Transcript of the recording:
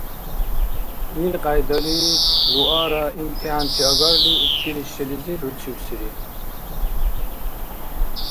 Илкьяйдали Луара имтихӀянти агарли, училищелизи руцибсири.